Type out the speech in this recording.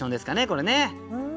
これね。